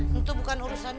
itu bukan urusan gue